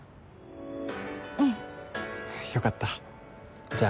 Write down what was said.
うんよかったじゃあ